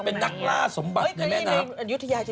เป็นนักล่าสมบัติในแม่น้ำ